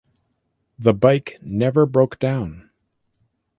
The bike never broke down.